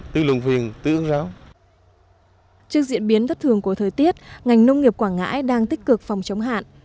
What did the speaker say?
trước diễn biến thất thường của thời tiết ngành nông nghiệp quảng ngãi đang tích cực phòng chống hạn